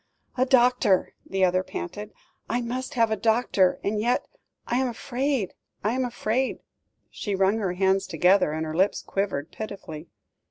"A doctor," the other panted. "I must have a doctor; and yet I am afraid I am afraid," she wrung her hands together, and her lips quivered pitifully.